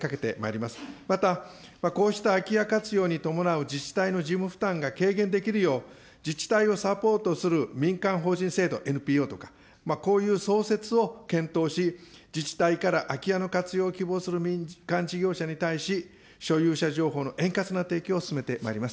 またこうした空き家活用に伴う自治体の事務負担が軽減できるよう、自治体をサポートする民間法人制度、ＮＰＯとか、こういう創設を検討し、自治体から空き家の活用を希望する民間事業者に対し、所有者情報の円滑な提供を進めてまいります。